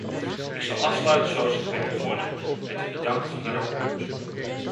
Ik zal afsluiten zoals ik ben begonnen, met het bedanken van de rapporteurs.